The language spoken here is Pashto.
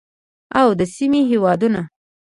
او د سیمې هیوادونه